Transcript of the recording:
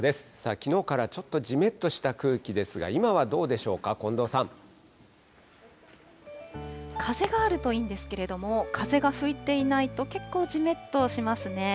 きのうからちょっとじめっとした空気ですが、今はどうでしょうか、風があるといいんですけれども、風が吹いていないと結構じめっとしますね。